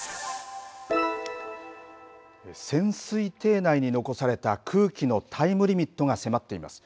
潜水艇内に残された空気のタイムリミットが迫っています。